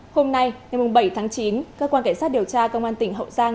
hôm nay ngày bảy tháng chín cơ quan cảnh sát điều tra công an tỉnh hậu giang